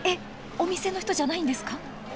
お店の人じゃないんですか？